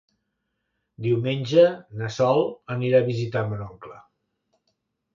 Diumenge na Sol anirà a visitar mon oncle.